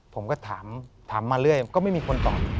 ผมก็ถามมาเรื่อยก็ไม่มีคนตอบ